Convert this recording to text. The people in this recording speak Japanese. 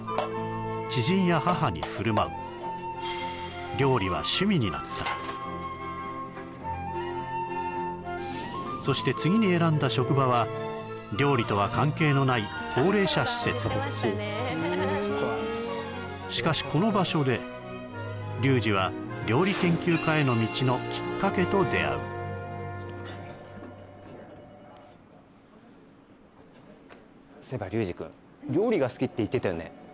知人や母に振る舞うなったそして次に選んだ職場はしかしこの場所でリュウジは料理研究家への道のきっかけと出会うそういえばリュウジくん料理が好きって言ってたよね？